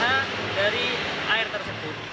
dan ph dari air tersebut